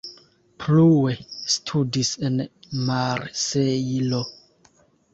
Plue studis en Marsejlo.